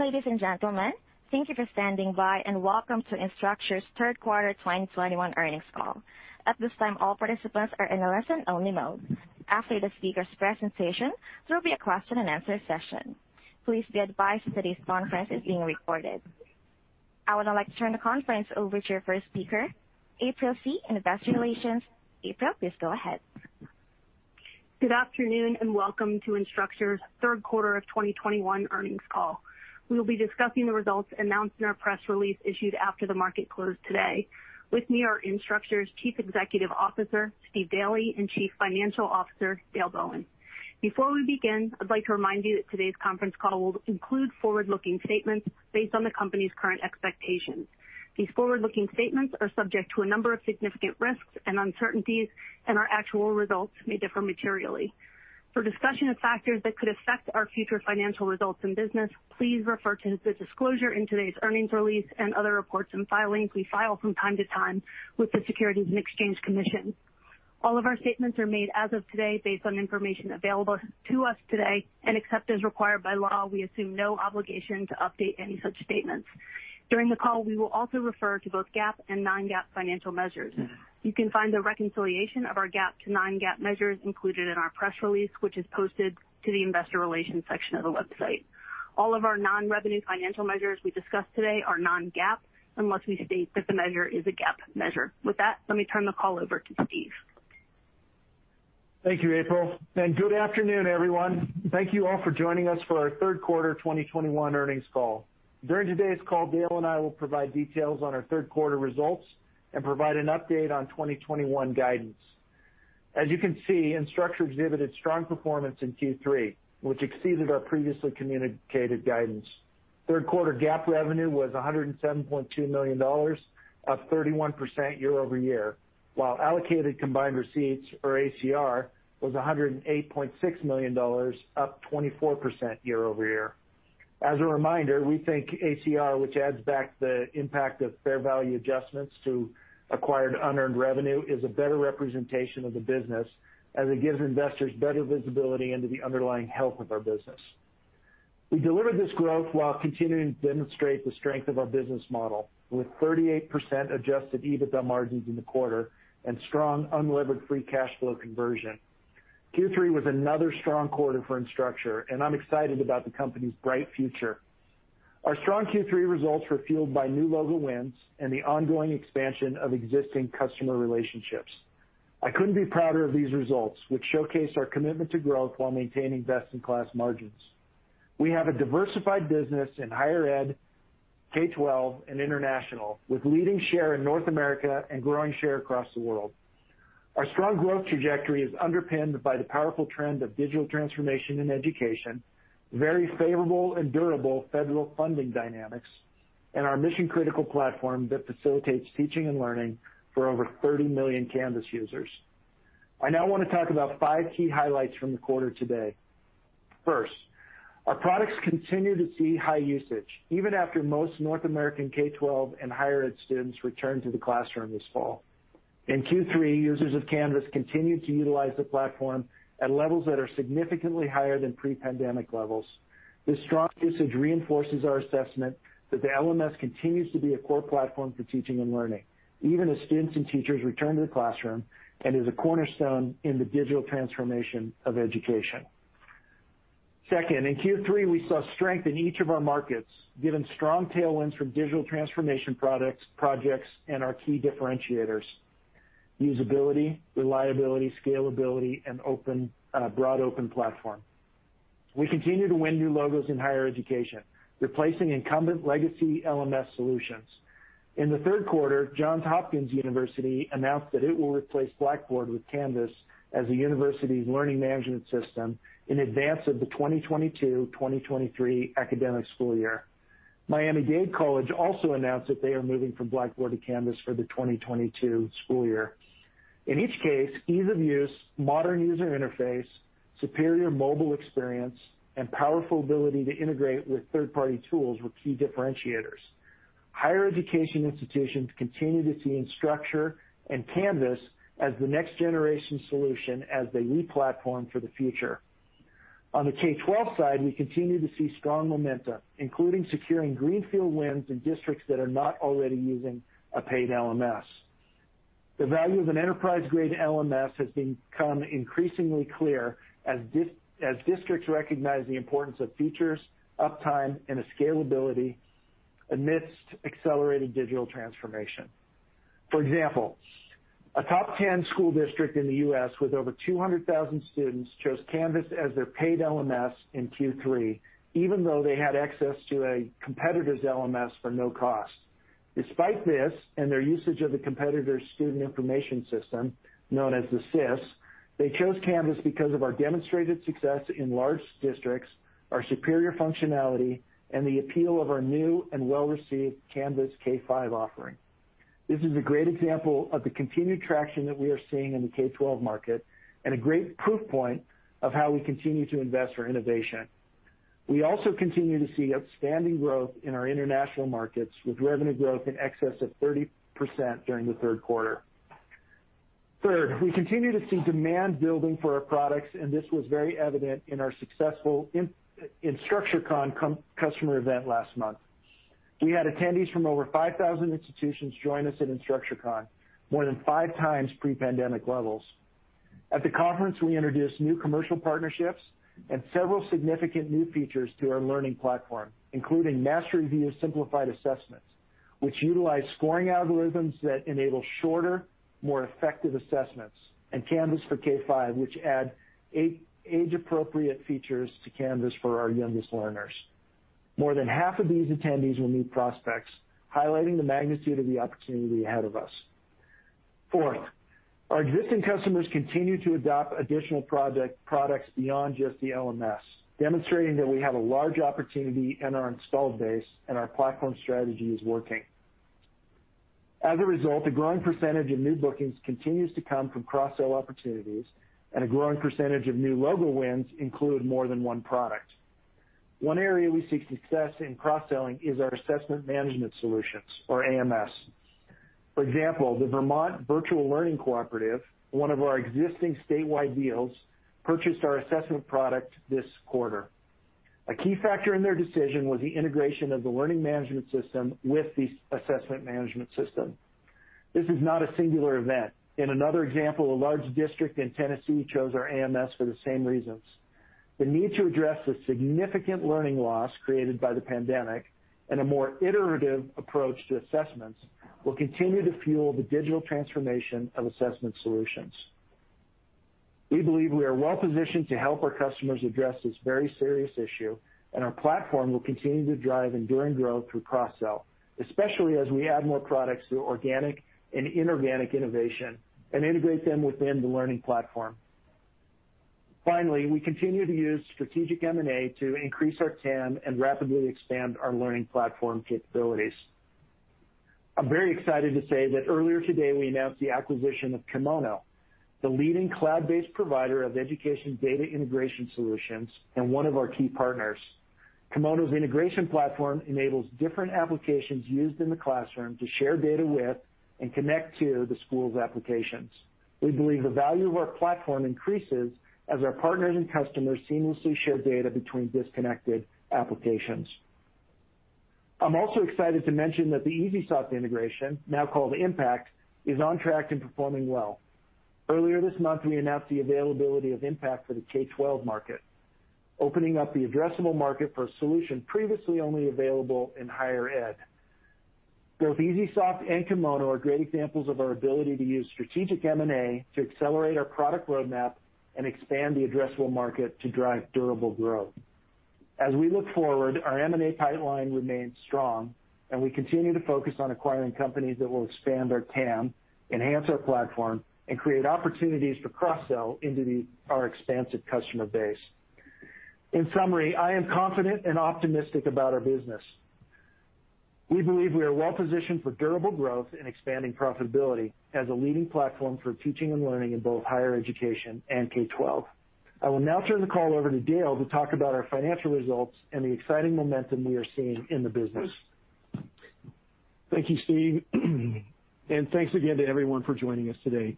Ladies and gentlemen, thank you for standing by and welcome to Instructure's Q3 2021 earnings call. At this time, all participants are in a listen only mode. After the speaker's presentation, there will be a question and answer session. Please be advised that this conference is being recorded. I would now like to turn the conference over to your first speaker, April Scee, Investor Relations. April, please go ahead. Good afternoon, and welcome to Instructure's Q3 of 2021 earnings call. We will be discussing the results announced in our press release issued after the market closed today. With me are Instructure's Chief Executive Officer, Steve Daly, and Chief Financial Officer, Dale Bowen. Before we begin, I'd like to remind you that today's conference call will include forward-looking statements based on the company's current expectations. These forward-looking statements are subject to a number of significant risks and uncertainties, and our actual results may differ materially. For discussion of factors that could affect our future financial results and business, please refer to the disclosure in today's earnings release and other reports and filings we file from time to time with the Securities and Exchange Commission. All of our statements are made as of today based on information available to us today. Except as required by law, we assume no obligation to update any such statements. During the call, we will also refer to both GAAP and non-GAAP financial measures. You can find the reconciliation of our GAAP to non-GAAP measures included in our press release, which is posted to the investor relations section of the website. All of our non-revenue financial measures we discuss today are non-GAAP, unless we state that the measure is a GAAP measure. With that, let me turn the call over to Steve. Thank you, April, and good afternoon, everyone. Thank you all for joining us for our Q3 2021 earnings call. During today's call, Dale and I will provide details on our Q3 results and provide an update on 2021 guidance. As you can see, Instructure exhibited strong performance in Q3, which exceeded our previously communicated guidance. Q3 GAAP revenue was $107.2 million, up 31% year over year, while allocated combined receipts or ACR was $108.6 million, up 24% year over year. As a reminder, we think ACR, which adds back the impact of fair value adjustments to acquired unearned revenue, is a better representation of the business as it gives investors better visibility into the underlying health of our business. We delivered this growth while continuing to demonstrate the strength of our business model, with 38% adjusted EBITDA margins in the quarter and strong unlevered free cash flow conversion. Q3 was another strong quarter for Instructure, and I'm excited about the company's bright future. Our strong Q3 results were fueled by new logo wins and the ongoing expansion of existing customer relationships. I couldn't be prouder of these results, which showcase our commitment to growth while maintaining best-in-class margins. We have a diversified business in higher ed, K-12, and international, with leading share in North America and growing share across the world. Our strong growth trajectory is underpinned by the powerful trend of digital transformation in education, very favorable and durable federal funding dynamics, and our mission-critical platform that facilitates teaching and learning for over 30 million Canvas users. I now want to talk about five key highlights from the quarter today. First, our products continue to see high usage even after most North American K-12 and higher ed students returned to the classroom this fall. In Q3, users of Canvas continued to utilize the platform at levels that are significantly higher than pre-pandemic levels. This strong usage reinforces our assessment that the LMS continues to be a core platform for teaching and learning, even as students and teachers return to the classroom and is a cornerstone in the digital transformation of education. Second, in Q3, we saw strength in each of our markets, given strong tailwinds from digital transformation products, projects, and our key differentiators, usability, reliability, scalability, and broad open platform. We continue to win new logos in higher education, replacing incumbent legacy LMS solutions. In the Q3, Johns Hopkins University announced that it will replace Blackboard with Canvas as the university's learning management system in advance of the 2022-2023 academic school year. Miami Dade College also announced that they are moving from Blackboard to Canvas for the 2022 school year. In each case, ease of use, modern user interface, superior mobile experience, and powerful ability to integrate with third-party tools were key differentiators. Higher education institutions continue to see Instructure and Canvas as the next generation solution as they re-platform for the future. On the K-12 side, we continue to see strong momentum, including securing greenfield wins in districts that are not already using a paid LMS. The value of an enterprise-grade LMS has become increasingly clear as districts recognize the importance of features, uptime, and scalability amidst accelerated digital transformation. For example, a top 10 school district in the U.S. with over 200,000 students chose Canvas as their paid LMS in Q3, even though they had access to a competitor's LMS for no cost. Despite this, and their usage of the competitor's student information system, known as the SIS, they chose Canvas because of our demonstrated success in large districts, our superior functionality, and the appeal of our new and well-received Canvas K-5 offering. This is a great example of the continued traction that we are seeing in the K-12 market and a great proof point of how we continue to invest for innovation. We also continue to see outstanding growth in our international markets, with revenue growth in excess of 30% during the Q3. third, we continue to see demand building for our products, and this was very evident in our successful InstructureCon customer event last month. We had attendees from over 5,000 institutions join us at InstructureCon, more than five times pre-pandemic levels. At the conference, we introduced new commercial partnerships and several significant new features to our learning platform, including MasteryConnect simplified assessments, which utilize scoring algorithms that enable shorter, more effective assessments, and Canvas for K-5, which add age-appropriate features to Canvas for our youngest learners. More than half of these attendees were new prospects, highlighting the magnitude of the opportunity ahead of us. Fourth, our existing customers continue to adopt additional products beyond just the LMS, demonstrating that we have a large opportunity in our installed base and our platform strategy is working. As a result, a growing percentage of new bookings continues to come from cross-sell opportunities, and a growing percentage of new logo wins include more than one product. One area we see success in cross-selling is our assessment management solutions or AMS. For example, the Vermont Virtual Learning Cooperative, one of our existing statewide deals, purchased our assessment product this quarter. A key factor in their decision was the integration of the learning management system with the assessment management system. This is not a singular event. In another example, a large district in Tennessee chose our AMS for the same reasons. The need to address the significant learning loss created by the pandemic and a more iterative approach to assessments will continue to fuel the digital transformation of assessment solutions. We believe we are well-positioned to help our customers address this very serious issue, and our platform will continue to drive enduring growth through cross-sell, especially as we add more products through organic and inorganic innovation and integrate them within the learning platform. Finally, we continue to use strategic M&A to increase our TAM and rapidly expand our learning platform capabilities. I'm very excited to say that earlier today, we announced the acquisition of Kimono, the leading cloud-based provider of education data integration solutions and one of our key partners. Kimono's integration platform enables different applications used in the classroom to share data with and connect to the school's applications. We believe the value of our platform increases as our partners and customers seamlessly share data between disconnected applications. I'm also excited to mention that the EesySoft integration, now called Impact, is on track and performing well. Earlier this month, we announced the availability of Impact for the K-12 market, opening up the addressable market for a solution previously only available in higher ed. Both EesySoft and Kimono are great examples of our ability to use strategic M&A to accelerate our product roadmap and expand the addressable market to drive durable growth. As we look forward, our M&A pipeline remains strong and we continue to focus on acquiring companies that will expand our TAM, enhance our platform, and create opportunities for cross-sell into our expansive customer base. In summary, I am confident and optimistic about our business. We believe we are well-positioned for durable growth and expanding profitability as a leading platform for teaching and learning in both higher education and K-12. I will now turn the call over to Dale to talk about our financial results and the exciting momentum we are seeing in the business. Thank you, Steve. Thanks again to everyone for joining us today.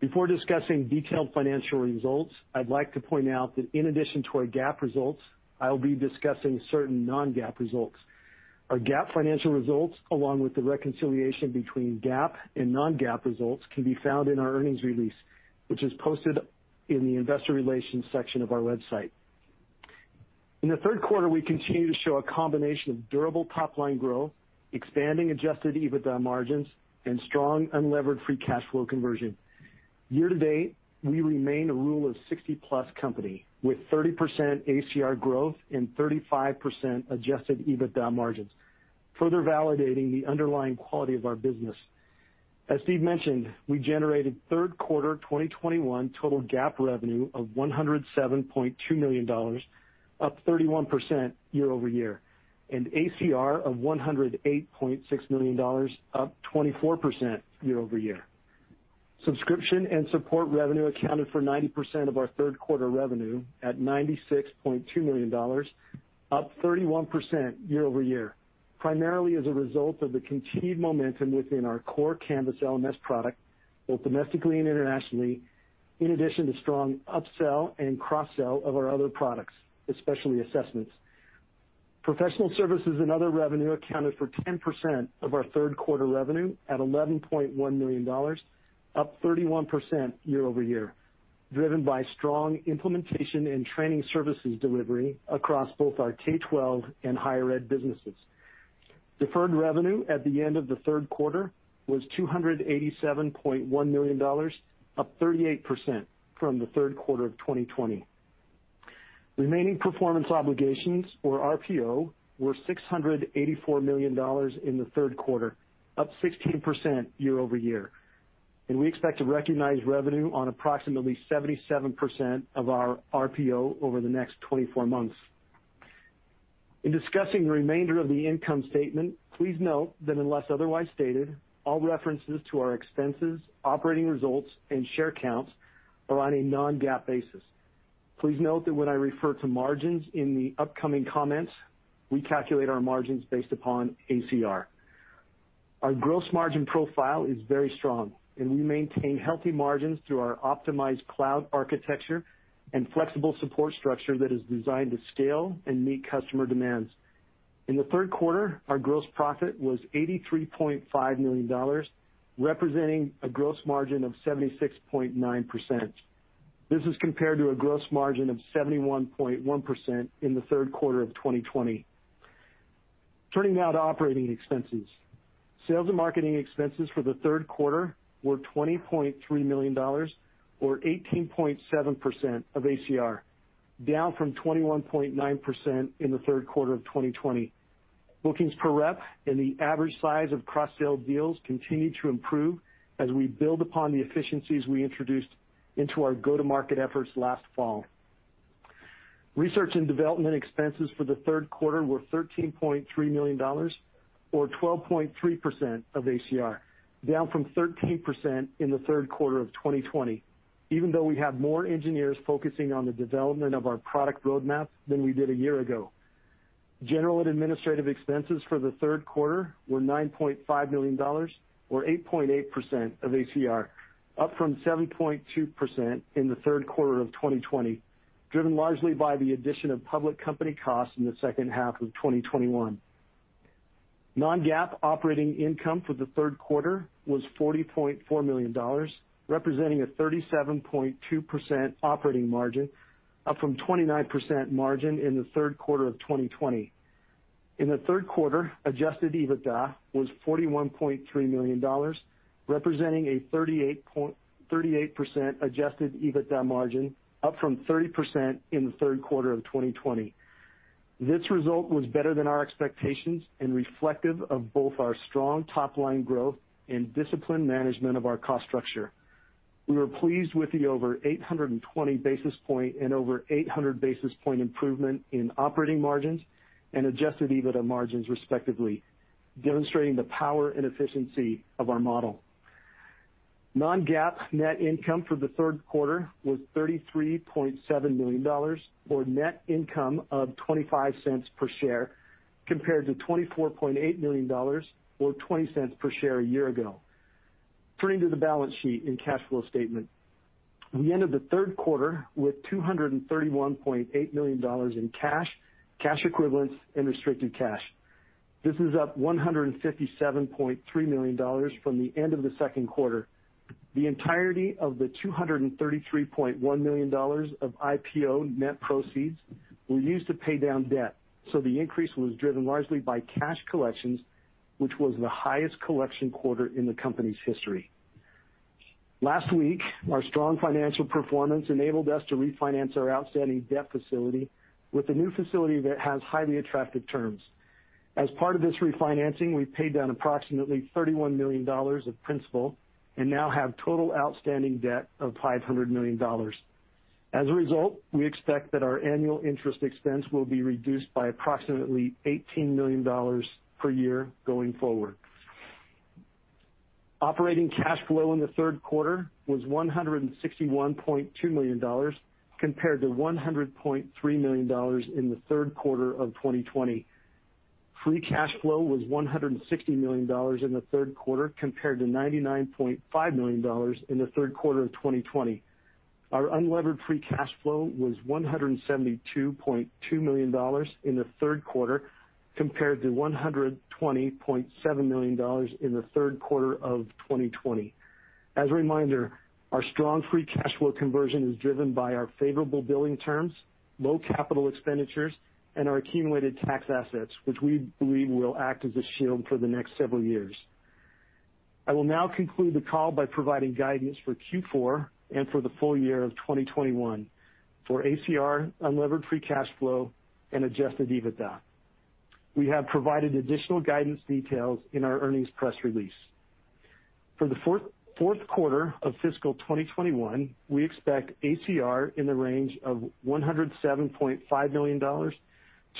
Before discussing detailed financial results, I'd like to point out that in addition to our GAAP results, I'll be discussing certain non-GAAP results. Our GAAP financial results, along with the reconciliation between GAAP and non-GAAP results, can be found in our earnings release, which is posted in the investor relations section of our website. In the Q3, we continue to show a combination of durable top-line growth, expanding adjusted EBITDA margins, and strong unlevered free cash flow conversion. Year to date, we remain a rule of 60+ company with 30% ACR growth and 35% adjusted EBITDA margins, further validating the underlying quality of our business. As Steve mentioned, we generated Q3 2021 total GAAP revenue of $107.2 million, up 31% year-over-year, and ACR of $108.6 million, up 24% year-over-year. Subscription and support revenue accounted for 90% of our Q3 revenue at $96.2 million, up 31% year-over-year, primarily as a result of the continued momentum within our core Canvas LMS product, both domestically and internationally, in addition to strong upsell and cross-sell of our other products, especially assessments. Professional services and other revenue accounted for 10% of our Q3 revenue at $11.1 million, up 31% year-over-year, driven by strong implementation and training services delivery across both our K-12 and higher ed businesses. Deferred revenue at the end of the Q3 was $287.1 million, up 38% from the Q3 of 2020. Remaining performance obligations or RPO were $684 million in the Q3, up 16% year-over-year, and we expect to recognize revenue on approximately 77% of our RPO over the next 24 months. In discussing the remainder of the income statement, please note that unless otherwise stated, all references to our expenses, operating results, and share counts are on a non-GAAP basis. Please note that when I refer to margins in the upcoming comments, we calculate our margins based upon ACR. Our gross margin profile is very strong, and we maintain healthy margins through our optimized cloud architecture and flexible support structure that is designed to scale and meet customer demands. In the Q3, our gross profit was $83.5 million, representing a gross margin of 76.9%. This is compared to a gross margin of 71.1% in the Q3 of 2020. Turning now to operating expenses. Sales and marketing expenses for the Q3 were $20.3 million or 18.7% of ACR, down from 21.9% in the Q3 of 2020. Bookings per rep and the average size of cross-sale deals continued to improve as we build upon the efficiencies we introduced into our go-to-market efforts last fall. Research and development expenses for the Q3 were $13.3 million or 12.3% of ACR, down from 13% in the Q3 of 2020, even though we have more engineers focusing on the development of our product roadmap than we did a year ago. General and administrative expenses for the Q3 were $9.5 million or 8.8% of ACR, up from 7.2% in the Q3 of 2020, driven largely by the addition of public company costs in the H2 of 2021. Non-GAAP operating income for the Q3 was $40.4 million, representing a 37.2% operating margin, up from 29% margin in the Q3 of 2020. In the Q3, adjusted EBITDA was $41.3 million, representing a 38% adjusted EBITDA margin, up from 30% in the Q3 of 2020. This result was better than our expectations and reflective of both our strong top-line growth and disciplined management of our cost structure. We were pleased with the over 820 basis points and over 800 basis points improvement in operating margins and adjusted EBITDA margins, respectively, demonstrating the power and efficiency of our model. Non-GAAP net income for the Q3 was $33.7 million or net income of $0.25 per share, compared to $24.8 million or $0.20 per share a year ago. Turning to the balance sheet and cash flow statement. We ended the Q3 with $231.8 million in cash equivalents and restricted cash. This is up $157.3 million from the end of the Q2. The entirety of the $233.1 million of IPO net proceeds were used to pay down debt, so the increase was driven largely by cash collections, which was the highest collection quarter in the company's history. Last week, our strong financial performance enabled us to refinance our outstanding debt facility with a new facility that has highly attractive terms. As part of this refinancing, we paid down approximately $31 million of principal and now have total outstanding debt of $500 million. As a result, we expect that our annual interest expense will be reduced by approximately $18 million per year going forward. Operating cash flow in the Q3 was $161.2 million compared to $100.3 million in the Q3 of 2020. Free cash flow was $160 million in the Q3 compared to $99.5 million in the Q3 of 2020. Our unlevered free cash flow was $172.2 million in the Q3 compared to $120.7 million in the Q3 of 2020. As a reminder, our strong free cash flow conversion is driven by our favorable billing terms, low capital expenditures, and our accumulated tax assets, which we believe will act as a shield for the next several years. I will now conclude the call by providing guidance for Q4 and for the full year of 2021 for ACR, unlevered free cash flow, and adjusted EBITDA. We have provided additional guidance details in our earnings press release. For the fourth quarter of fiscal 2021, we expect ACR in the range of $107.5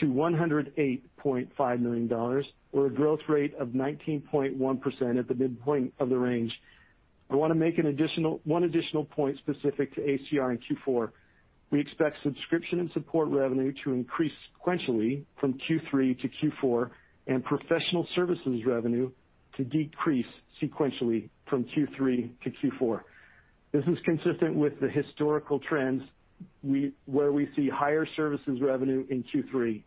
million-$108.5 million, or a growth rate of 19.1% at the midpoint of the range. I wanna make one additional point specific to ACR in Q4. We expect subscription and support revenue to increase sequentially from Q3 to Q4, and professional services revenue to decrease sequentially from Q3 to Q4. This is consistent with the historical trends where we see higher services revenue in Q3.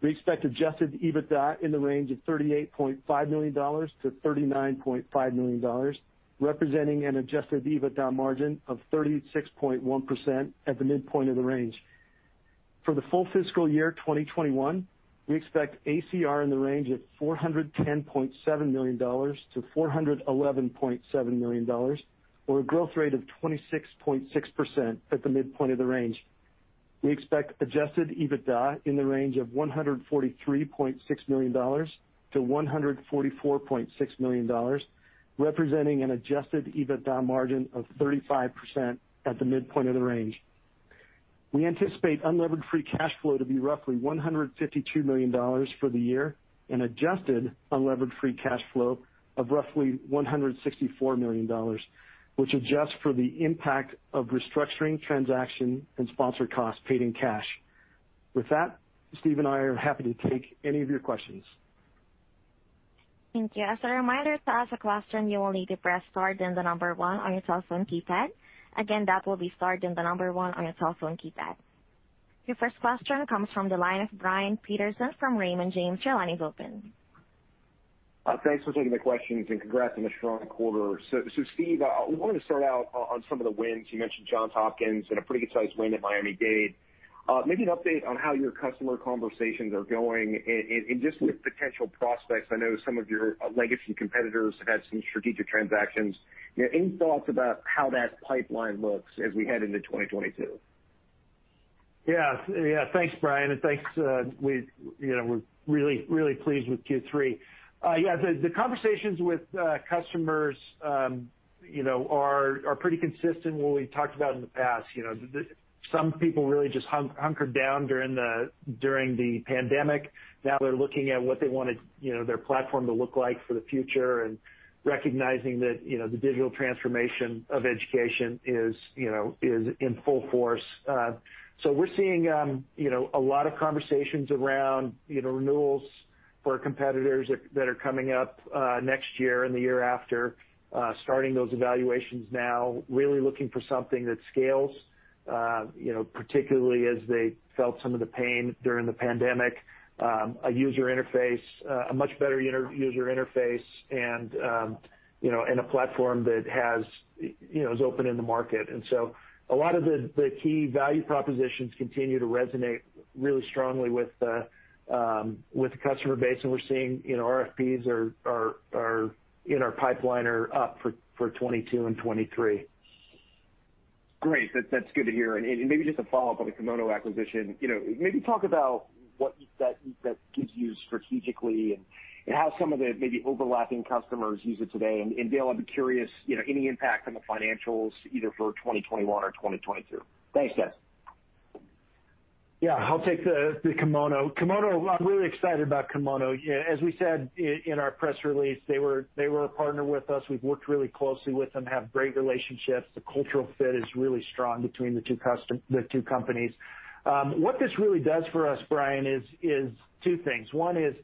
We expect adjusted EBITDA in the range of $38.5 million-$39.5 million, representing an adjusted EBITDA margin of 36.1% at the midpoint of the range. For the full fiscal year 2021, we expect ACR in the range of $410.7 million-$411.7 million, or a growth rate of 26.6% at the midpoint of the range. We expect adjusted EBITDA in the range of $143.6 million-$144.6 million, representing an adjusted EBITDA margin of 35% at the midpoint of the range. We anticipate unlevered free cash flow to be roughly $152 million for the year and adjusted unlevered free cash flow of roughly $164 million, which adjusts for the impact of restructuring transaction and sponsored costs paid in cash. With that, Steve and I are happy to take any of your questions. Thank you. As a reminder, to ask a question, you will need to press star then the number one on your telephone keypad. Again, that will be star then the number one on your telephone keypad. Your first question comes from the line of Brian Peterson from Raymond James. Your line is open. Thanks for taking the questions, and congrats on a strong quarter. Steve, I wanted to start out on some of the wins. You mentioned Johns Hopkins and a pretty good-sized win at Miami-Dade. Maybe an update on how your customer conversations are going and just with potential prospects. I know some of your legacy competitors have had some strategic transactions. You know, any thoughts about how that pipeline looks as we head into 2022? Yeah. Thanks, Brian, and thanks. We're really pleased with Q3. Yeah, the conversations with customers, you know, are pretty consistent with what we talked about in the past. You know, some people really just hunkered down during the pandemic. Now they're looking at what they want their platform to look like for the future and recognizing that, you know, the digital transformation of education is in full force. We're seeing, you know, a lot of conversations around, you know, renewals for competitors that are coming up next year and the year after, starting those evaluations now, really looking for something that scales, you know, particularly as they felt some of the pain during the pandemic. A user interface, a much better user interface and, you know, and a platform that has, you know, is open in the market. A lot of the key value propositions continue to resonate really strongly with the customer base, and we're seeing, you know, RFPs in our pipeline are up for 2022 and 2023. Great. That's good to hear. Maybe just a follow-up on the Kimono acquisition. You know, maybe talk about what that gives you strategically and how some of the maybe overlapping customers use it today. Dale, I'd be curious, you know, any impact on the financials either for 2021 or 2022. Thanks, guys. Yeah, I'll take the Kimono. Kimono, I'm really excited about Kimono. Yeah, as we said in our press release, they were a partner with us. We've worked really closely with them, have great relationships. The cultural fit is really strong between the two companies. What this really does for us, Brian, is two things. One is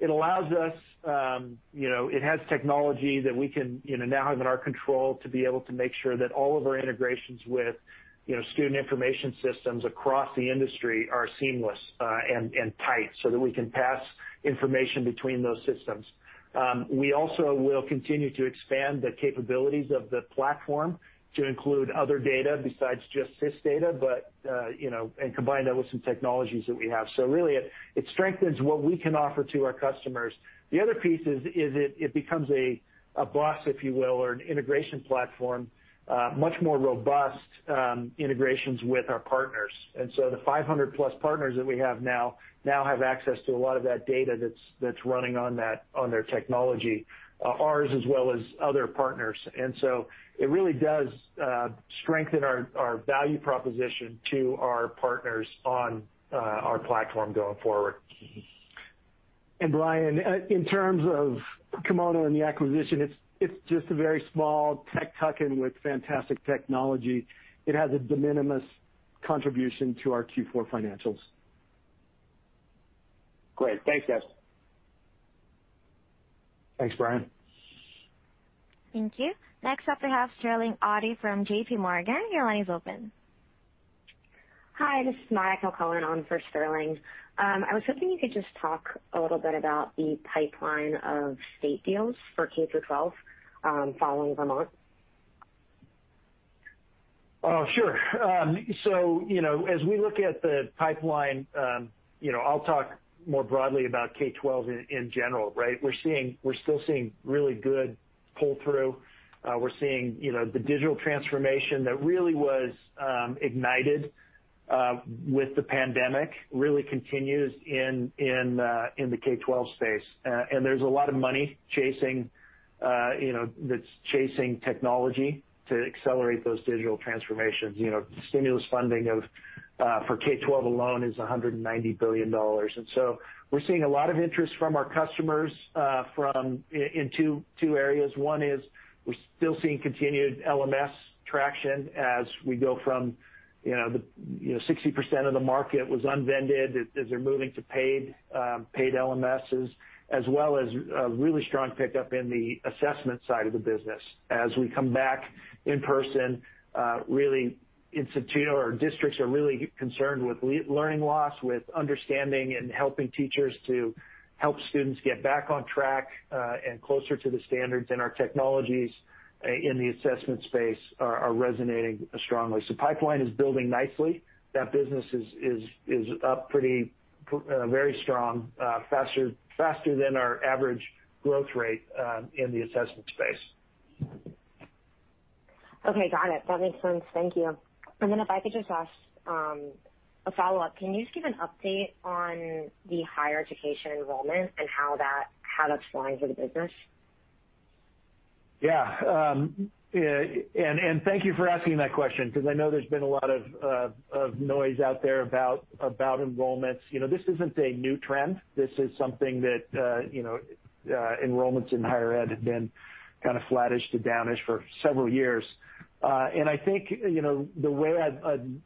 it allows us, you know, it has technology that we can, you know, now have in our control to be able to make sure that all of our integrations with, you know, student information systems across the industry are seamless and tight, so that we can pass information between those systems. We also will continue to expand the capabilities of the platform to include other data besides just SIS data, but you know and combine that with some technologies that we have. Really, it strengthens what we can offer to our customers. The other piece is it becomes a bus, if you will, or an integration platform, much more robust integrations with our partners. The 500+ partners that we have now have access to a lot of that data that's running on that, on their technology, ours as well as other partners. It really does strengthen our value proposition to our partners on our platform going forward. Brian, in terms of Kimono and the acquisition, it's just a very small tech tuck-in with fantastic technology. It has a de minimis contribution to our Q4 financials. Great. Thanks, guys. Thanks, Brian. Thank you. Next up, we have Sterling Auty from JPMorgan. Your line is open. Hi, this is Maia Nichols on for Sterling. I was hoping you could just talk a little bit about the pipeline of state deals for K-12, following Vermont. Oh, sure. You know, as we look at the pipeline, you know, I'll talk more broadly about K-12 in general, right? We're still seeing really good pull-through. We're seeing, you know, the digital transformation that really was ignited with the pandemic really continues in the K-12 space. There's a lot of money chasing, you know, that's chasing technology to accelerate those digital transformations. You know, stimulus funding for K-12 alone is $190 billion. We're seeing a lot of interest from our customers in two areas. One is we're still seeing continued LMS traction as we go from, you know, the, you know, 60% of the market was unvended as they're moving to paid paid LMSs, as well as a really strong pickup in the assessment side of the business. As we come back in person, really instructors or districts are really concerned with learning loss, with understanding and helping teachers to help students get back on track, and closer to the standards, and our technologies in the assessment space are resonating strongly. Pipeline is building nicely. That business is up pretty very strong faster than our average growth rate in the assessment space. Okay. Got it. That makes sense. Thank you. If I could just ask a follow-up. Can you just give an update on the higher education enrollment and how that's flying for the business? Yeah, thank you for asking that question because I know there's been a lot of noise out there about enrollments. You know, this isn't a new trend. This is something that, you know, enrollments in higher ed have been kind of flattish to downish for several years. I think, you know, the way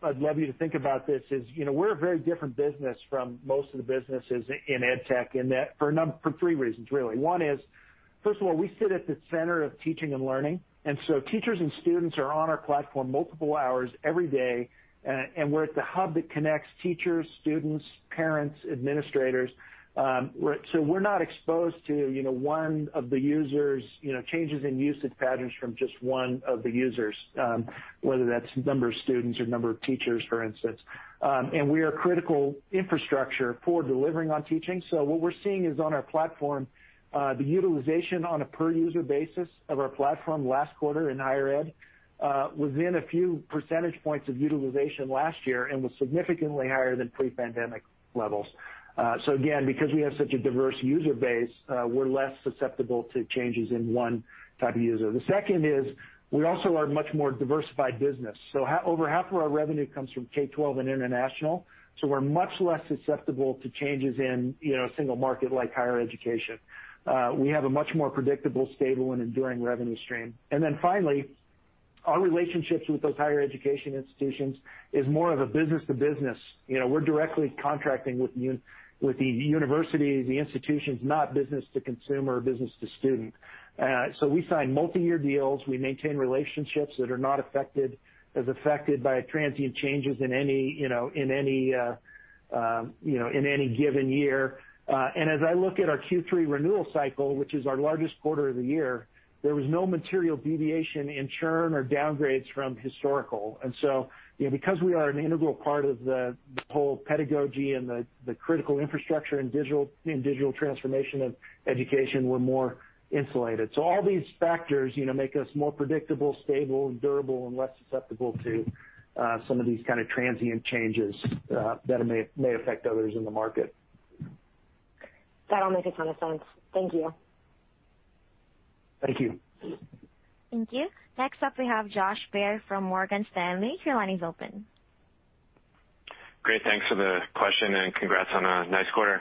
I'd love you to think about this is, you know, we're a very different business from most of the businesses in edtech in that for three reasons, really. One is, first of all, we sit at the center of teaching and learning, and so teachers and students are on our platform multiple hours every day. And we're at the hub that connects teachers, students, parents, administrators. We're not exposed to, you know, one of the users, you know, changes in usage patterns from just one of the users, whether that's number of students or number of teachers, for instance. We are critical infrastructure for delivering on teaching. What we're seeing is on our platform, the utilization on a per-user basis of our platform last quarter in higher ed was within a few percentage points of utilization last year and was significantly higher than pre-pandemic levels. Again, because we have such a diverse user base, we're less susceptible to changes in one type of user. The second is we also are a much more diversified business. Half of our revenue comes from K-12 and international, so we're much less susceptible to changes in, you know, a single market like higher education. We have a much more predictable, stable and enduring revenue stream. Then finally, our relationships with those higher education institutions is more of a business-to-business. You know, we're directly contracting with the universities, the institutions, not business to consumer or business to student. We sign multiyear deals. We maintain relationships that are not affected by transient changes in any given year. As I look at our Q3 renewal cycle, which is our largest quarter of the year, there was no material deviation in churn or downgrades from historical. You know, because we are an integral part of the whole pedagogy and the critical infrastructure in digital transformation of education, we're more insulated. All these factors, you know, make us more predictable, stable, durable, and less susceptible to some of these kind of transient changes that may affect others in the market. That all makes a ton of sense. Thank you. Thank you. Thank you. Next up we have Josh Baer from Morgan Stanley. Your line is open. Great. Thanks for the question and congrats on a nice quarter.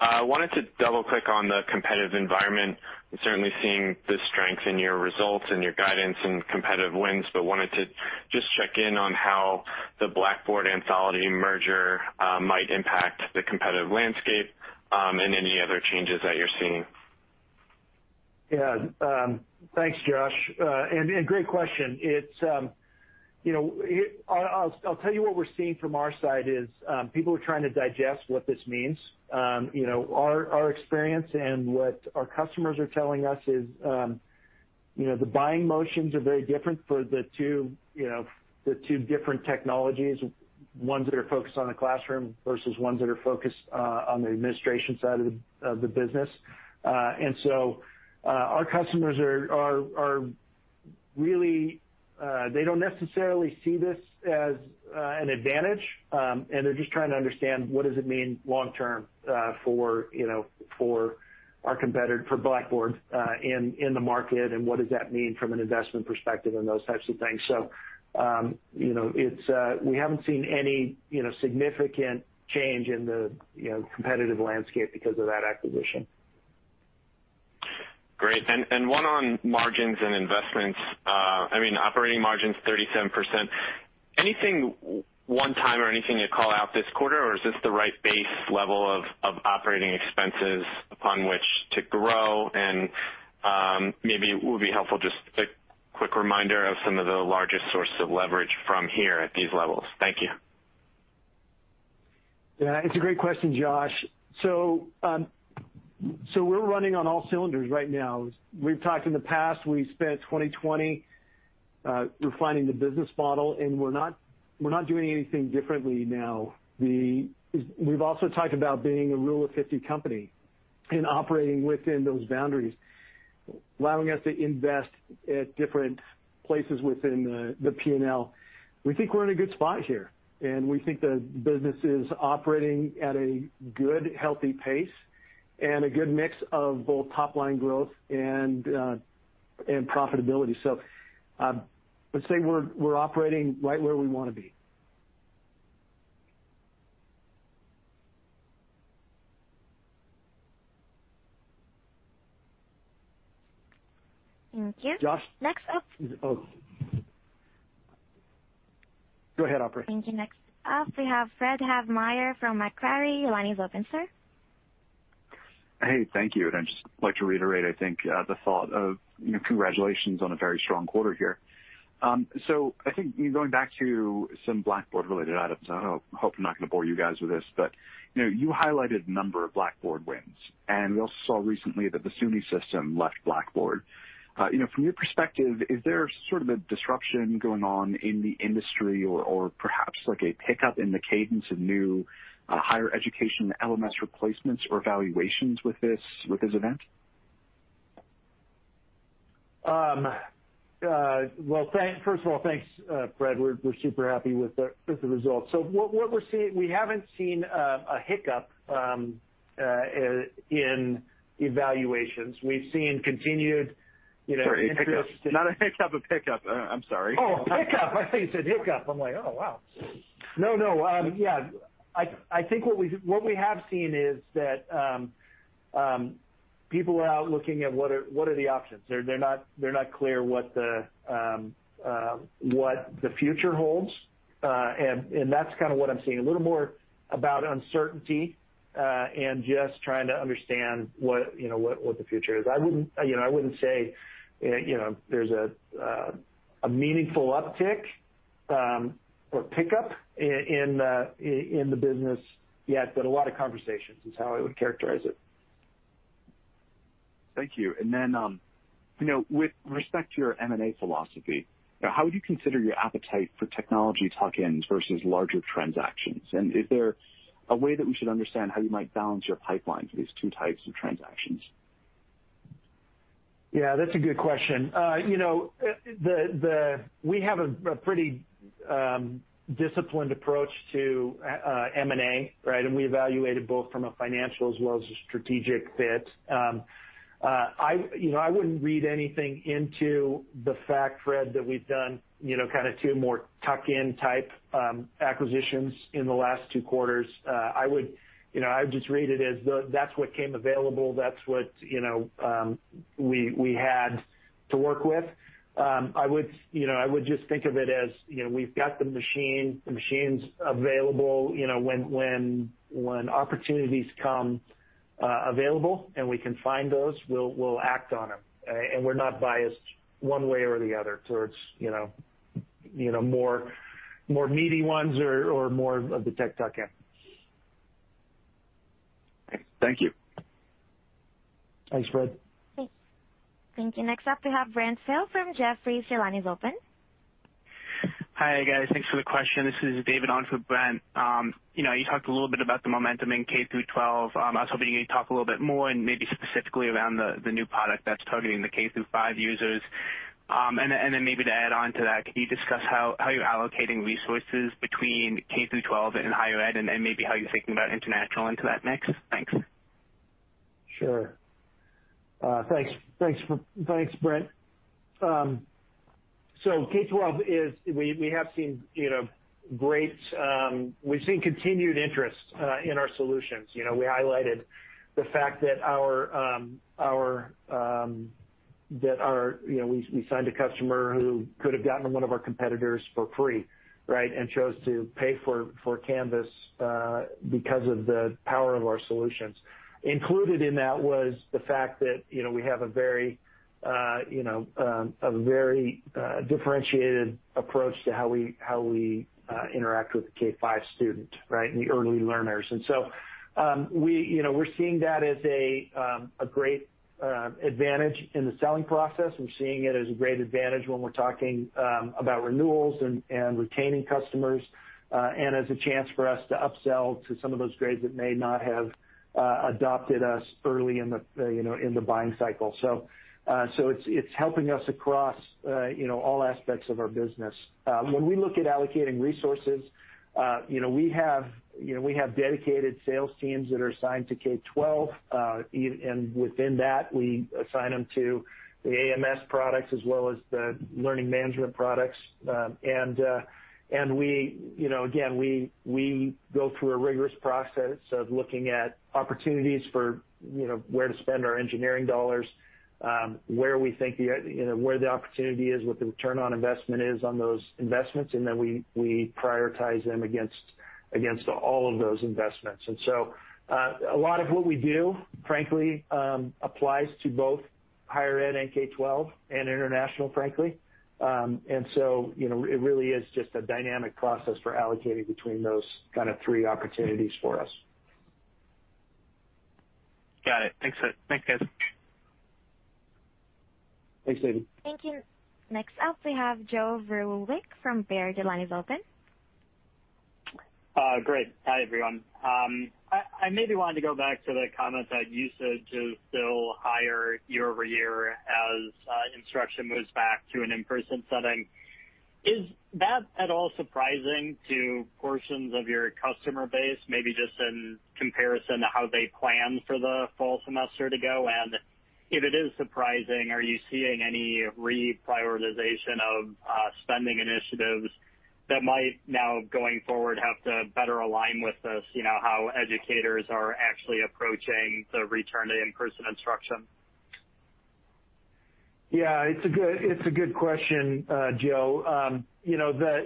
Wanted to double-click on the competitive environment. We're certainly seeing the strength in your results and your guidance and competitive wins, but wanted to just check in on how the Blackboard-Anthology merger might impact the competitive landscape, and any other changes that you're seeing. Yeah. Thanks, Josh. Great question. It's you know, I'll tell you what we're seeing from our side is people are trying to digest what this means. You know, our experience and what our customers are telling us is you know, the buying motions are very different for the two different technologies, ones that are focused on the classroom versus ones that are focused on the administration side of the business. Our customers really don't necessarily see this as an advantage, and they're just trying to understand what does it mean long term for you know for our competitor, for Blackboard, in the market and what does that mean from an investment perspective and those types of things. You know, we haven't seen any, you know, significant change in the, you know, competitive landscape because of that acquisition. Great. One on margins and investments. I mean, operating margins, 37%. Anything one-time or anything you call out this quarter, or is this the right base level of operating expenses upon which to grow? Maybe it would be helpful just a quick reminder of some of the largest sources of leverage from here at these levels. Thank you. Yeah. It's a great question, Josh. We're running on all cylinders right now. We've talked in the past, we spent 2020 refining the business model, and we're not doing anything differently now. We've also talked about being a rule-of-fifty company and operating within those boundaries, allowing us to invest at different places within the P&L. We think we're in a good spot here, and we think the business is operating at a good, healthy pace and a good mix of both top-line growth and profitability. I'd say we're operating right where we wanna be. Thank you. Josh? Next up. Oh. Go ahead, operator. Thank you. Next up, we have Fred Havemeyer from Macquarie. Your line is open, sir. Hey, thank you. I'd just like to reiterate, I think, the thought of, you know, congratulations on a very strong quarter here. I think going back to some Blackboard-related items, I hope I'm not gonna bore you guys with this, but, you know, you highlighted a number of Blackboard wins, and we also saw recently that the SUNY system left Blackboard. You know, from your perspective, is there sort of a disruption going on in the industry or perhaps like a pickup in the cadence of new, higher education LMS replacements or evaluations with this, with this event? Well, first of all, thanks, Fred. We're super happy with the results. What we're seeing. We haven't seen a hiccup in evaluations. We've seen continued, you know Sorry, a hiccup. Not a hiccup, a pickup. I'm sorry. Oh, a pickup. I thought you said hiccup. I'm like, "Oh, wow." No, no. Yeah. I think what we have seen is that people are out looking at what are the options. They're not clear what the future holds. That's kinda what I'm seeing, a little more about uncertainty and just trying to understand what, you know, the future is. I wouldn't say, you know, there's a meaningful uptick or pickup in the business yet, but a lot of conversations is how I would characterize it. Thank you. You know, with respect to your M&A philosophy, how would you consider your appetite for technology tuck-ins versus larger transactions? Is there a way that we should understand how you might balance your pipeline for these two types of transactions? Yeah, that's a good question. We have a pretty disciplined approach to M&A, right? We evaluate it both from a financial as well as a strategic fit. You know, I wouldn't read anything into the fact, Fred, that we've done, you know, kinda two more tuck-in type acquisitions in the last two quarters. I would, you know, just read it as that's what came available. That's what, you know, we had to work with. I would, you know, just think of it as, you know, we've got the machines available. You know, when opportunities come available and we can find those, we'll act on them, and we're not biased one way or the other towards, you know, more meaty ones or more of the tech tuck-in. Thank you. Thanks, Fred. Thank you. Next up, we have Brent Thill from Jefferies. Your line is open. Hi, guys. Thanks for the question. This is David on for Brent. You know, you talked a little bit about the momentum in K-12. I was hoping you could talk a little bit more and maybe specifically around the new product that's targeting the K-5 users. And then maybe to add on to that, could you discuss how you're allocating resources between K-12 and higher ed, and maybe how you're thinking about international into that mix? Thanks. Sure. Thanks, Brent. We've seen continued interest in our solutions. You know, we highlighted the fact that our you know, we signed a customer who could have gotten one of our competitors for free, right, and chose to pay for Canvas because of the power of our solutions. Included in that was the fact that you know, we have a very differentiated approach to how we interact with the K-5 student, right, the early learners. We're seeing that as a great advantage in the selling process. We're seeing it as a great advantage when we're talking about renewals and retaining customers, and as a chance for us to upsell to some of those grades that may not have adopted us early in the buying cycle. It's helping us across all aspects of our business. When we look at allocating resources, we have dedicated sales teams that are assigned to K-12, and within that, we assign them to the AMS products as well as the learning management products. You know, again, we go through a rigorous process of looking at opportunities for, you know, where to spend our engineering dollars, where we think the opportunity is, what the return on investment is on those investments, and then we prioritize them against all of those investments. A lot of what we do, frankly, applies to both higher ed and K-12 and international, frankly. You know, it really is just a dynamic process for allocating between those kind of three opportunities for us. Got it. Thanks, guys. Thanks, David. Thank you. Next up, we have Joe Vruwink from Baird. Your line is open. Great. Hi, everyone. I maybe wanted to go back to the comment that usage is still higher year over year as instruction moves back to an in-person setting. Is that at all surprising to portions of your customer base, maybe just in comparison to how they planned for the fall semester to go? If it is surprising, are you seeing any reprioritization of spending initiatives that might now, going forward, have to better align with this, you know, how educators are actually approaching the return to in-person instruction? Yeah, it's a good question, Joe. You know,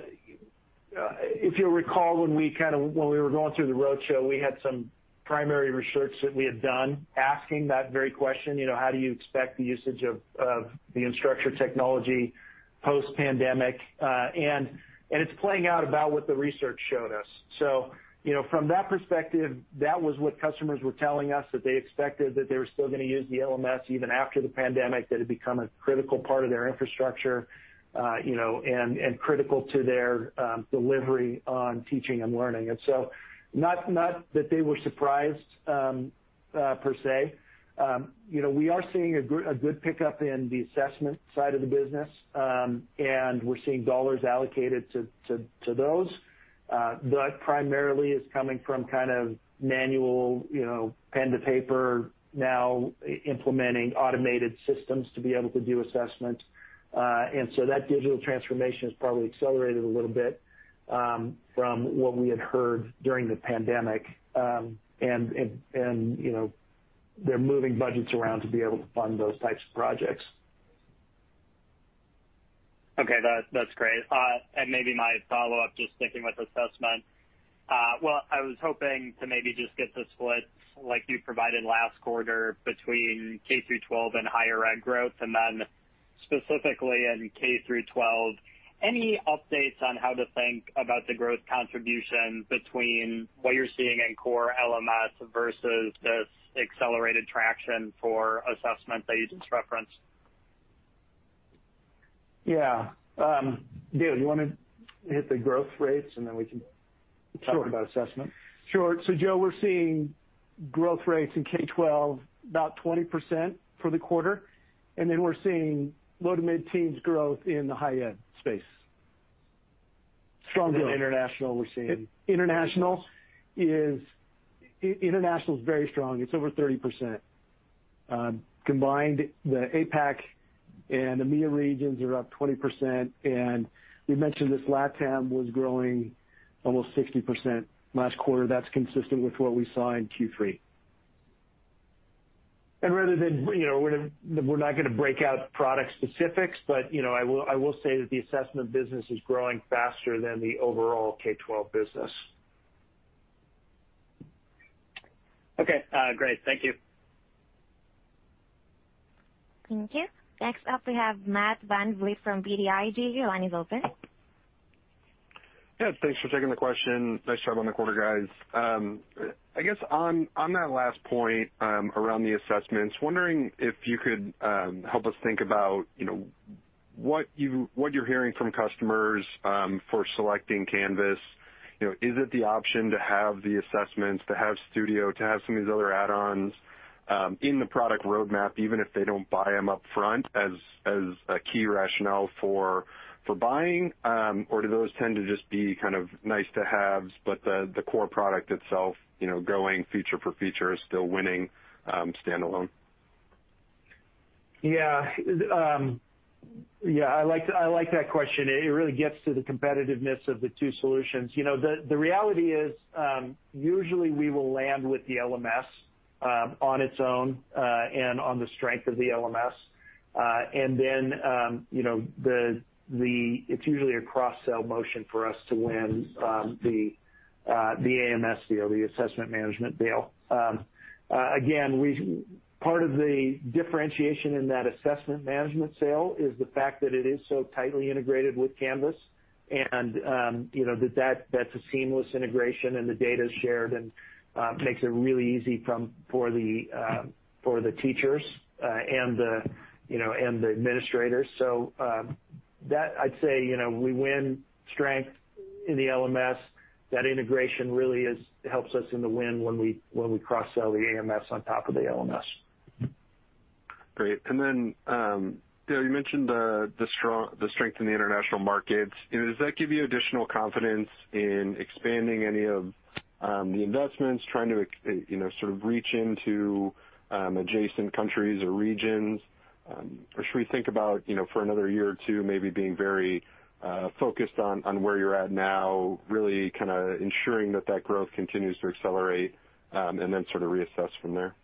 if you'll recall, when we were going through the roadshow, we had some primary research that we had done asking that very question: How do you expect the usage of the Instructure technology post-pandemic? It's playing out about what the research showed us. You know, from that perspective, that was what customers were telling us, that they expected that they were still gonna use the LMS even after the pandemic, that it had become a critical part of their infrastructure and critical to their delivery on teaching and learning. Not that they were surprised, per se. You know, we are seeing a good pickup in the assessment side of the business, and we're seeing dollars allocated to those, but primarily it's coming from kind of manual, you know, pen to paper now implementing automated systems to be able to do assessment. That digital transformation has probably accelerated a little bit from what we had heard during the pandemic. You know, they're moving budgets around to be able to fund those types of projects. Okay. That's great. Maybe my follow-up, just sticking with assessment. Well, I was hoping to maybe just get the split like you provided last quarter between K-12 and higher ed growth, and then specifically in K-12, any updates on how to think about the growth contribution between what you're seeing in core LMS versus this accelerated traction for assessment that you just referenced? Yeah. Dale, you wanna hit the growth rates, and then we can- Sure. Talk about assessment? Sure. Joe, we're seeing growth rates in K-12 about 20% for the quarter, and then we're seeing low- to mid-teens% growth in the higher ed space. Strong growth. In international, we're seeing. International is very strong. It's over 30%. Combined, the APAC and EMEA regions are up 20%, and we mentioned this, LATAM was growing almost 60% last quarter. That's consistent with what we saw in Q3. Rather than, you know, we're not gonna break out product specifics, but, you know, I will say that the assessment business is growing faster than the overall K-12 business. Okay. Great. Thank you. Thank you. Next up we have Matt VanVliet from BTIG. Your line is open. Yeah, thanks for taking the question. Nice job on the quarter, guys. I guess on that last point around the assessments, wondering if you could help us think about, you know, what you're hearing from customers for selecting Canvas. You know, is it the option to have the assessments, to have Studio, to have some of these other add-ons in the product roadmap, even if they don't buy them upfront as a key rationale for buying, or do those tend to just be kind of nice to haves, but the core product itself, you know, going feature for feature is still winning standalone? Yeah, I like that question. It really gets to the competitiveness of the two solutions. You know, the reality is, usually we will land with the LMS on its own and on the strength of the LMS. Then, you know, it's usually a cross-sell motion for us to win the AMS deal, the assessment management deal. Again, part of the differentiation in that assessment management sale is the fact that it is so tightly integrated with Canvas and, you know, that's a seamless integration and the data is shared and makes it really easy for the teachers and, you know, the administrators. So, that I'd say, you know, we win on the strength of the LMS. That integration really helps us in the win when we cross-sell the AMS on top of the LMS. Great. Dale, you mentioned the strength in the international markets. You know, does that give you additional confidence in expanding any of the investments, you know, sort of reach into adjacent countries or regions? Or should we think about, you know, for another year or two, maybe being very focused on where you're at now, really kinda ensuring that growth continues to accelerate, and then sort of reassess from there?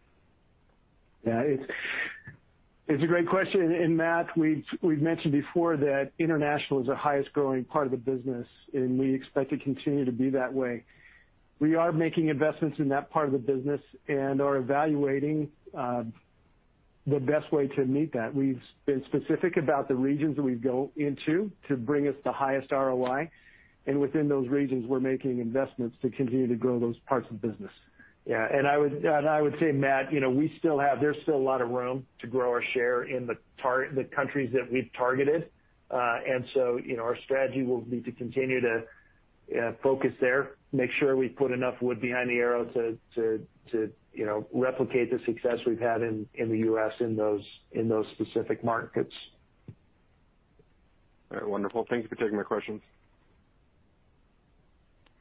Yeah, it's a great question. Matt, we've mentioned before that international is the highest growing part of the business, and we expect it continue to be that way. We are making investments in that part of the business and are evaluating the best way to meet that. We've been specific about the regions we go into to bring us the highest ROI, and within those regions, we're making investments to continue to grow those parts of the business. I would say, Matt, you know, there's still a lot of room to grow our share in the countries that we've targeted. You know, our strategy will be to continue to focus there, make sure we put enough wood behind the arrow to replicate the success we've had in the U.S. in those specific markets. All right. Wonderful. Thank you for taking my questions.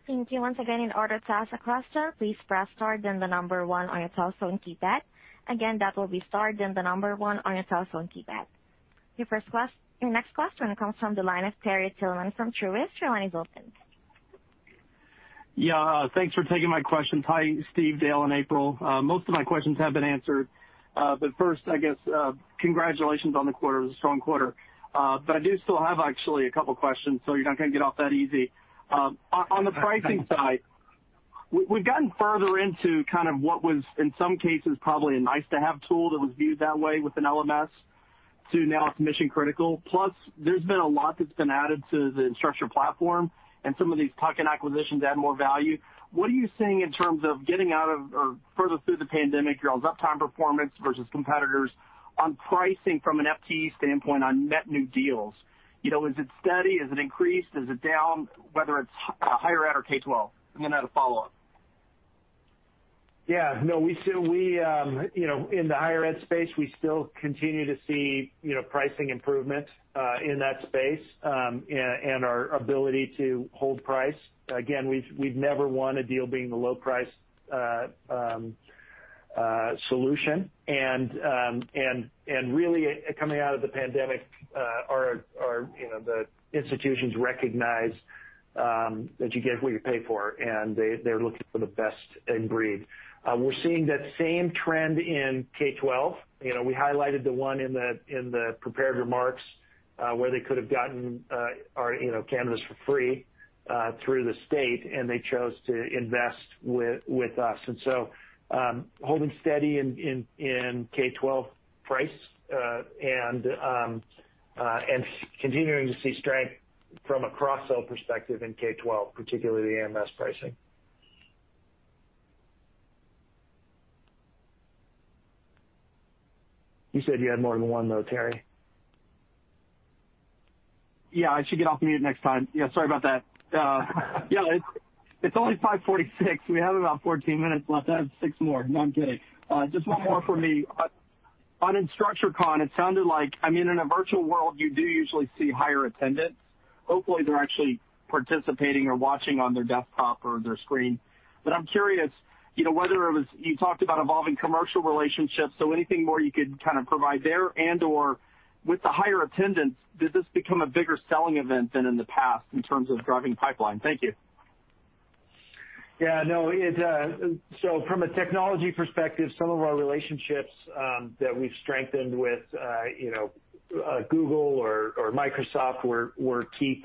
Your next question comes from the line of Terry Tillman from Truist. Your line is open. Yeah, thanks for taking my questions. Hi, Steve, Dale, and April. Most of my questions have been answered. First, I guess, congratulations on the quarter. It was a strong quarter. I do still have actually a couple questions, so you're not gonna get off that easy. On the pricing side, we've gotten further into kind of what was in some cases probably a nice-to-have tool that was viewed that way within LMS to now it's mission-critical. Plus, there's been a lot that's been added to the Instructure platform and some of these tuck-in acquisitions add more value. What are you seeing in terms of getting out of or further through the pandemic, your uptime performance versus competitors on pricing from an FTE standpoint on net new deals? You know, is it steady? Is it increased? Is it down, whether it's higher ed or K-12? I have a follow-up. Yeah, no, we still continue to see, you know, in the higher ed space, pricing improvement in that space, and our ability to hold price. Again, we've never won a deal being the low price solution. Really coming out of the pandemic, our you know the institutions recognize that you get what you pay for, and they're looking for the best in breed. We're seeing that same trend in K-12. You know, we highlighted the one in the prepared remarks where they could have gotten our you know Canvas for free through the state, and they chose to invest with us. holding steady in K-12 price, and continuing to see strength from a cross-sell perspective in K-12, particularly the AMS pricing. You said you had more than one though, Terry. Yeah, I should get off mute next time. Yeah, sorry about that. Yeah, it's only 5:46. We have about 14 minutes left. I have 6 more. No, I'm kidding. Just one more from me. On InstructureCon, it sounded like, I mean, in a virtual world, you do usually see higher attendance. Hopefully, they're actually participating or watching on their desktop or their screen. I'm curious, you know, whether it was you talked about evolving commercial relationships, so anything more you could kind of provide there and/or with the higher attendance, does this become a bigger selling event than in the past in terms of driving pipeline? Thank you. From a technology perspective, some of our relationships that we've strengthened with, you know, Google or Microsoft were key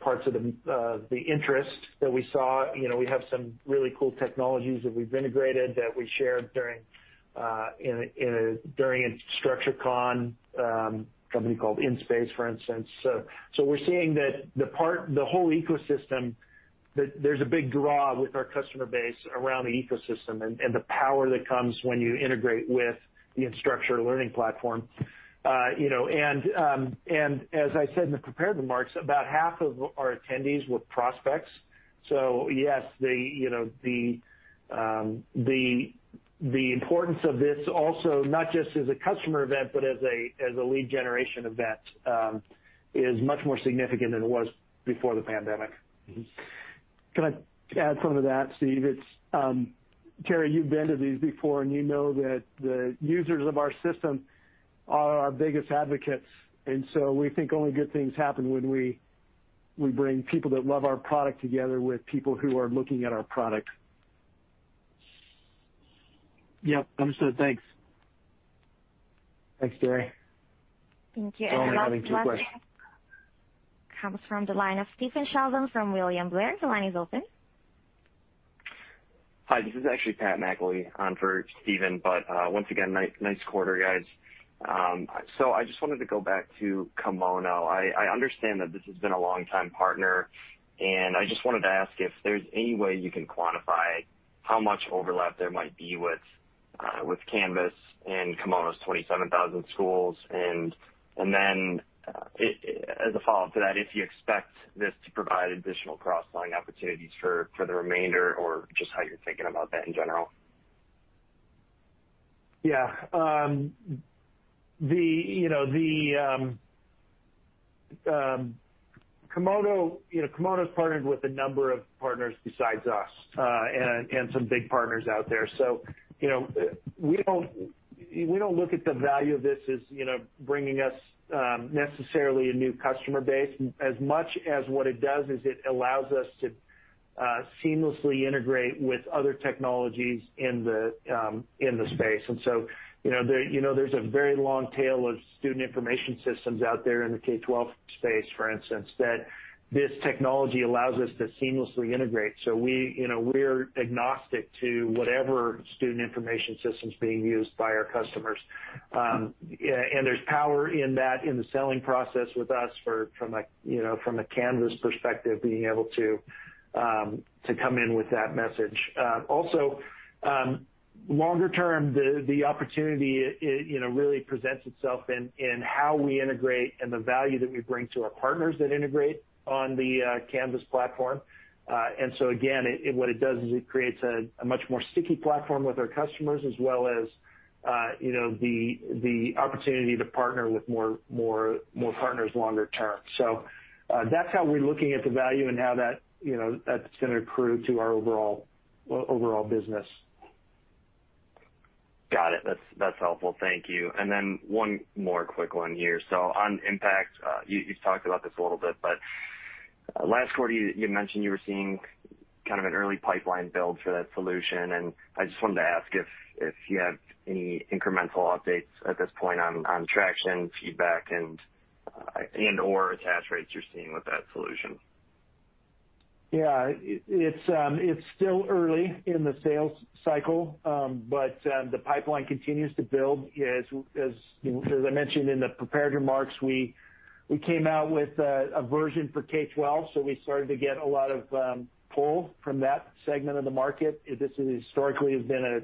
parts of the interest that we saw. You know, we have some really cool technologies that we've integrated that we shared during InstructureCon, a company called InSpace, for instance. We're seeing that the whole ecosystem, that there's a big draw with our customer base around the ecosystem and the power that comes when you integrate with the Instructure learning platform. You know, as I said in the prepared remarks, about half of our attendees were prospects. Yes, you know, the importance of this also, not just as a customer event, but as a lead generation event, is much more significant than it was before the pandemic. Can I add something to that, Steve? Terry, you've been to these before, and you know that the users of our system are our biggest advocates, and so we think only good things happen when we bring people that love our product together with people who are looking at our product. Yep, understood. Thanks. Thanks, Terry. Thank you. Our last question comes from the line of Stephen Sheldon from William Blair. The line is open. Hi, this is actually Pat Mcllwee on for Stephen, but once again, nice quarter, guys. So I just wanted to go back to Kimono. I understand that this has been a long time partner, and I just wanted to ask if there's any way you can quantify how much overlap there might be with Canvas and Kimono's 27,000 schools. And then, as a follow-up to that, if you expect this to provide additional cross-selling opportunities for the remainder or just how you're thinking about that in general. Yeah. You know, the Kimono's partnered with a number of partners besides us, and some big partners out there. You know, we don't look at the value of this as, you know, bringing us necessarily a new customer base. As much as what it does is it allows us to seamlessly integrate with other technologies in the space. You know, there's a very long tail of student information systems out there in the K-12 space, for instance, that this technology allows us to seamlessly integrate. You know, we're agnostic to whatever student information system's being used by our customers. Yeah, there's power in that in the selling process with us, from a, you know, from a Canvas perspective, being able to to come in with that message. Also, longer term, the opportunity it, you know, really presents itself in how we integrate and the value that we bring to our partners that integrate on the Canvas platform. Again, what it does is it creates a much more sticky platform with our customers as well as, you know, the opportunity to partner with more partners longer term. That's how we're looking at the value and how that, you know, that's gonna accrue to our overall business. Got it. That's helpful. Thank you. One more quick one here on Impact, you talked about this a little bit, but last quarter, you mentioned you were seeing kind of an early pipeline build for that solution, and I just wanted to ask if you have any incremental updates at this point on traction, feedback, and/or attach rates you're seeing with that solution. Yeah. It's still early in the sales cycle, but the pipeline continues to build. As I mentioned in the prepared remarks, we came out with a version for K-12, so we started to get a lot of pull from that segment of the market. This historically has been a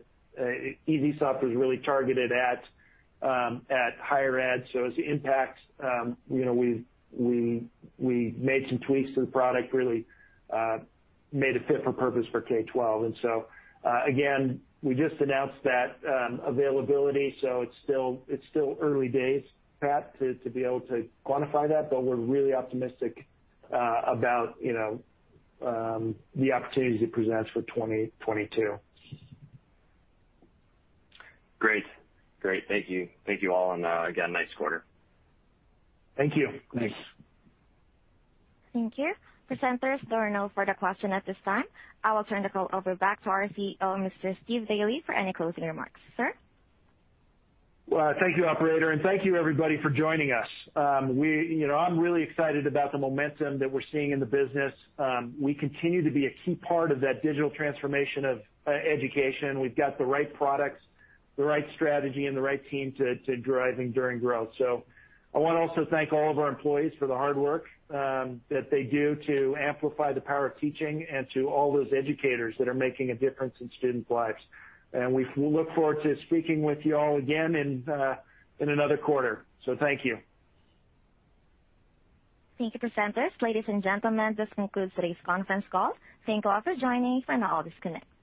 EesySoft was really targeted at higher ed. So as Impact, you know, we've made some tweaks to the product, really made it fit for purpose for K-12. Again, we just announced that availability, so it's still early days, Pat, to be able to quantify that, but we're really optimistic about, you know, the opportunities it presents for 2020, 2022. Great. Thank you all. Again, nice quarter. Thank you. Thanks. Thank you. Presenters, there are no further questions at this time. I will turn the call back over to our CEO, Mr. Steve Daly, for any closing remarks. Sir? Well, thank you, operator, and thank you everybody for joining us. You know, I'm really excited about the momentum that we're seeing in the business. We continue to be a key part of that digital transformation of education. We've got the right products, the right strategy, and the right team to drive and sustain growth. I wanna also thank all of our employees for the hard work that they do to amplify the power of teaching and to all those educators that are making a difference in student lives. We look forward to speaking with you all again in another quarter. Thank you. Thank you, presenters. Ladies and gentlemen, this concludes today's conference call. Thank you all for joining. You can now all disconnect.